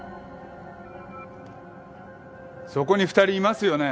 そこに２人いますよね？